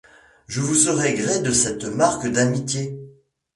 Je vous sais gré de cette marque d’amitié.